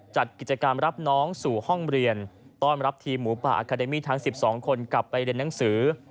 จัดกิจกรรมรับน้องสู่ห้องเรียนต้อนรับทีมหมูป่าอาคาเดมี่ทั้ง๑๒คนกลับไปเรียนหนังสือ